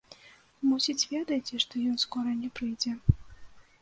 Мусіць, ведаеце, што ён скора не прыйдзе.